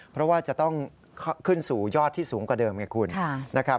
เพราะว่าจะต้องขึ้นสู่ยอดที่สูงกว่าเดิมไงคุณนะครับ